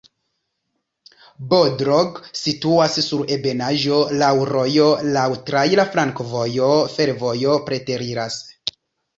Bodrog situas sur ebenaĵo, laŭ rojo, laŭ traira flankovojo, fervojo preteriras.